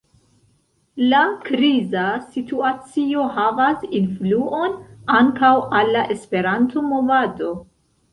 La kriza situacio havas influon ankaŭ al la Esperanto-movado.